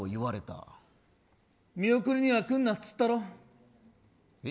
見送りには来んなっつったろ。